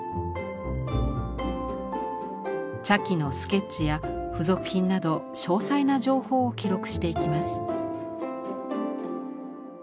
茶器のスケッチや付属品など詳細な情報を記録していきます。